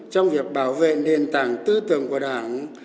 trong việc bảo vệ nền tảng tư tưởng của đảng